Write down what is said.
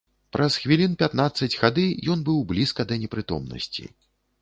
Праз хвілін пятнаццаць хады ён быў блізка да непрытомнасці.